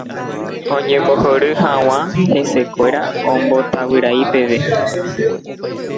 Oñembohory hag̃ua hesekuéra ombotavyrai peve.